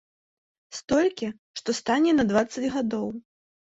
Столькі, што стане на дваццаць гадоў.